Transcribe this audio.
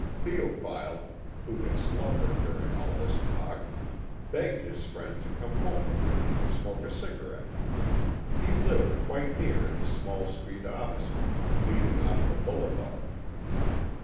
Théophile, who had slumbered during all this talk, begged his friend to come home with him and smoke a cigarette. He lived quite near in the small street opposite, leading off the Boulevard.